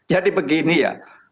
jadi begini ya